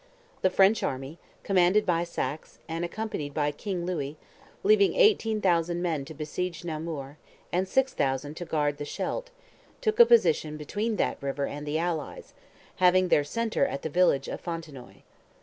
The French army, commanded by Saxe, and accompanied by King Louis, leaving 18,000 men to besiege Namur, and 6,000 to guard the Scheldt, took a position between that river and the allies, having their centre at the village of Fontenoy.